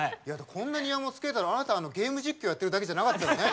こんな庭も作れてあなたゲーム実況やってるだけじゃなかったのね。